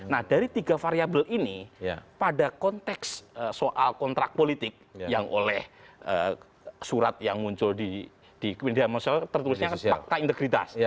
nah dari tiga variable ini pada konteks soal kontrak politik yang oleh surat yang muncul di media sosial tertulisnya kan fakta integritas